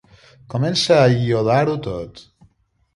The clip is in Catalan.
Comença a iodar-ho tot.